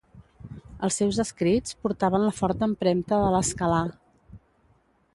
Els seus escrits portaven la forta empremta de l'Haskalà.